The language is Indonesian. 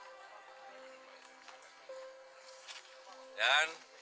kami juga sudah berusaha untuk menjaga kesehatan dan kemudian kita sudah berusaha untuk mendapatkan bantuan